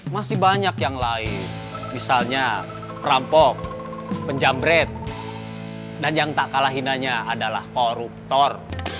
masih banyak yang lain misalnya perampok penjambret dan yang tak kalah hinanya adalah koruptor